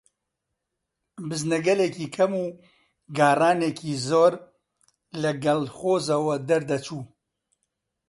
بزنەگەلێکی کەم و گاڕانێکی زۆر لە کەڵخۆزەوە دەردەچوو